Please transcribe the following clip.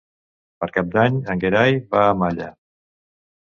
Per Cap d'Any en Gerai va a Malla.